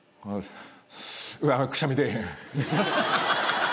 うわくしゃみ出えへん。